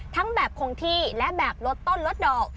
ทั้งแบบคงที่และแบบลดต้นลดดอก